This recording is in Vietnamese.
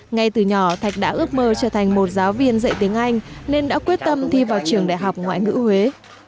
ngay từ nhỏ thạch đã ước mơ trở thành một giáo viên dạy tiếng anh nên đã quyết tâm thi vào trường đại học ngoại ngữ huế